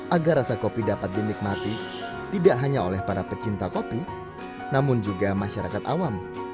agar rasa kopi dapat dinikmati tidak hanya oleh para pecinta kopi namun juga masyarakat awam